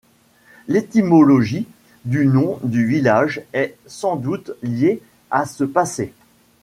L'étymologie du nom du village est sans doute liée à ce passé.